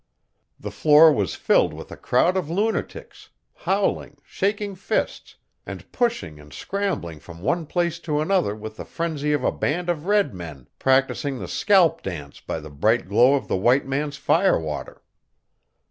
The floor was filled with a crowd of lunatics, howling, shaking fists, and pushing and scrambling from one place to another with the frenzy of a band of red men practising the scalp dance by the bright glow of the white man's fire water.